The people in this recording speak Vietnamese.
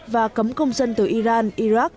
và cấm công dân từ iran iraq